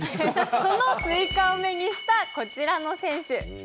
そのスイカを目にしたこちらの選手。